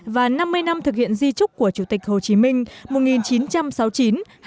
và năm mươi năm thực hiện di trúc của chủ tịch hồ chí minh một nghìn chín trăm sáu mươi chín hai nghìn một mươi